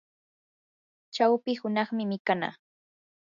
chawpi hunaqmi mikanaa.